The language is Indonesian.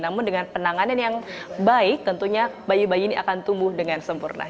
namun dengan penanganan yang baik tentunya bayi bayi ini akan tumbuh dengan sempurna